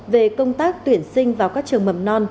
về công tác tuyển sinh vào các trường mầm non